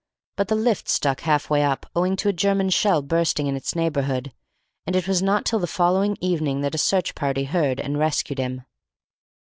But the lift stuck half way up, owing to a German shell bursting in its neighbourhood, and it was not till the following evening that a search party heard and rescued him.